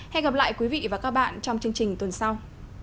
hẹn gặp lại quý vị và các bạn trong chương trình tuần sau